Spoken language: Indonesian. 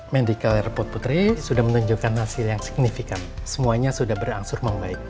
medical airport putri sudah menunjukkan hasil yang signifikan semuanya sudah berangsur membaik